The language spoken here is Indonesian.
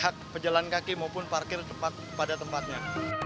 hak hak pejalan kaki maupun parkir pada tempatnya